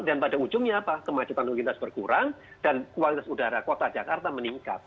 dan pada ujungnya apa kemacetan lalu lintas berkurang dan kualitas udara kota jakarta meningkat